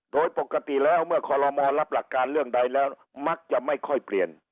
โดยปกติแล้วเมื่อคอลโลมอลรับหลักการเรื่องใดแล้วมักจะไม่ค่อยเปลี่ยน